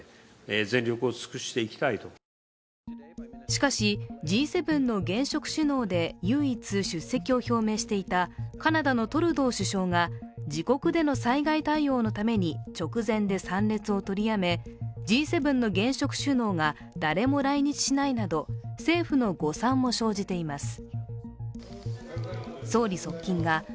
しかしＧ７の現職首脳で唯一出席を表明していたカナダのトルドー首相が自国での災害対応のために直前で参列を取りやめ、Ｇ７の現職首脳が誰も来日しないなど政府の誤算も生じています。